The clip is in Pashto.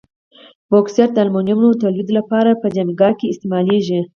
بوکسیت د المونیمو تولید لپاره په جامیکا کې استعمالیږي.